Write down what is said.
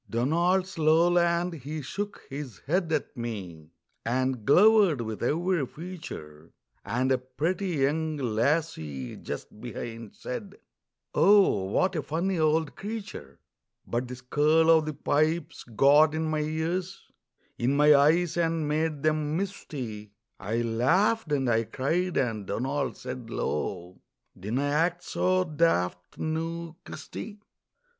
Donald's lowland, he shook his head at me, And glowered with every feature, And a pretty young lassie just behind Said: "Oh, what a funny old creature!" But the skirl o' the pipes got in my ears, In my eyes, and made them misty; I laughed and I cried, and Donald said low: "Dinna act so daft, noo, Christy!"